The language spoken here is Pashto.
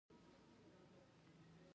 افغانستان په کابل باندې تکیه لري.